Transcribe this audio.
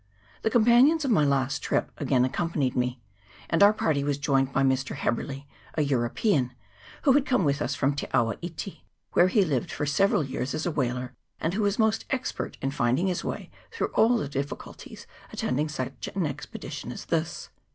The companions of my last trip again accompanied me, and our party was joined by Mr. Heberley, a European, who had come with us from Te awa iti, where he had lived for several years as a whaler, and who was most expert in find ing his way through all the difficulties attending such an expedition as this.